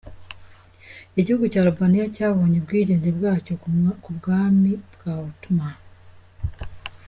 Igihugu cya Albania cyabonye ubwigenge bwacxyo ku bwami bwa Ottoman.